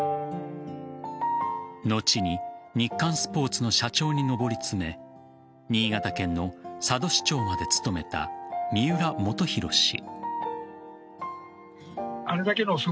後に日刊スポーツの社長に上り詰め新潟県の佐渡市長まで務めた三浦基裕氏。